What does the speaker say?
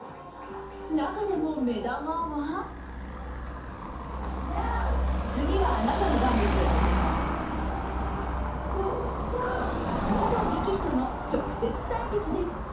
中でも目玉は元力士との直接対決です。